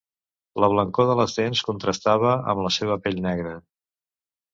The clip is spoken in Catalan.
La blancor de les dents contrastava amb la seva pell negra.